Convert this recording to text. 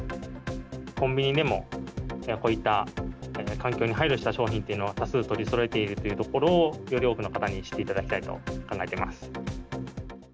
コンビニでも、こういった環境に配慮した商品というのを多数取りそろえているというところを、より多くの方に知っていただきたいと考えております。